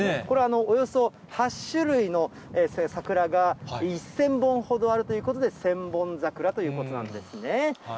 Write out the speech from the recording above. これ、およそ８種類の桜が１０００本ほどあるということで、千本桜ということなんですね。